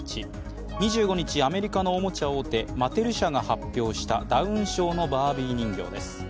２５日、アメリカのおもちゃ大手、マテル社が発表したダウン症のバービー人形です。